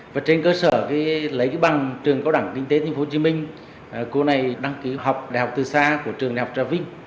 và trên cơ sở lấy cái bằng trường cao đẳng kinh tế tp hcm cô này đăng ký học đại học từ sa của trường đại học tra vinh